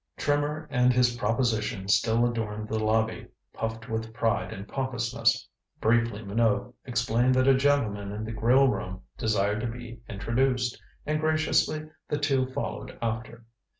Trimmer and his proposition still adorned the lobby, puffed with pride and pompousness. Briefly Minot explained that a gentleman in the grill room desired to be introduced, and graciously the two followed after.